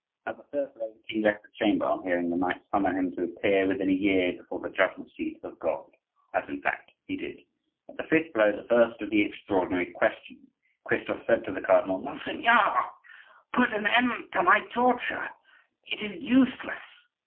At the third blow the king left the chamber on hearing the knight summon him to appear within a year before the judgment seat of God,—as, in fact, he did. At the fifth blow, the first of the "extraordinary question," Christophe said to the cardinal: "Monseigneur, put an end to my torture; it is useless."